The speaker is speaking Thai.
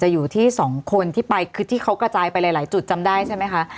อยู่ที่สองคนที่ไปคือที่เขากระจายไปหลายจุดจำได้ใช่ไหมคะ